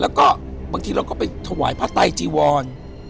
แล้วก็บางทีเราก็ไปถวายพระไตจีวร